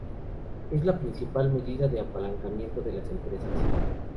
Es la principal medida de apalancamiento de las empresas.